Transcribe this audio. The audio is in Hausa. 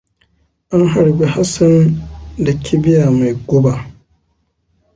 An harbi Hassan da kibiya mai guba.